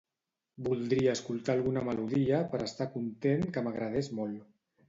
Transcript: Voldria escoltar alguna melodia per estar content que m'agradés molt.